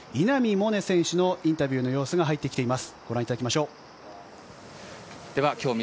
萌寧選手のインタビューの様子が入ってきています。